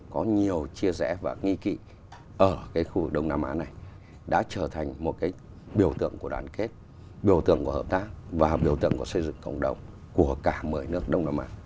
có nhiều chia rẽ và nghi kỵ ở khu vực đông nam á này đã trở thành một biểu tượng của đoàn kết biểu tượng của hợp tác và biểu tượng của xây dựng cộng đồng của cả một mươi nước đông nam á